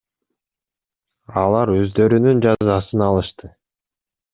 Алар өздөрүнүн жазасын алышты.